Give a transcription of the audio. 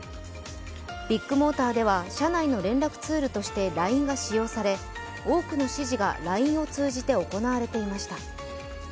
ビッグモーターでは社内の連絡ツールとしてＬＩＮＥが使用され多くの指示がＬＩＮＥを通じて行われていました。